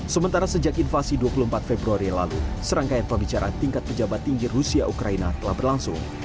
sementara sejak invasi dua puluh empat februari lalu serangkaian pembicaraan tingkat pejabat tinggi rusia ukraina telah berlangsung